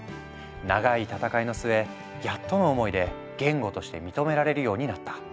長い闘いの末やっとの思いで言語として認められるようになった。